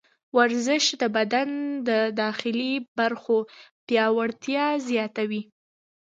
ورزش د بدن د داخلي برخو پیاوړتیا زیاتوي.